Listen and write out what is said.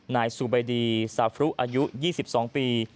นายสุบัยดีสาธุอายุ๒๒ปี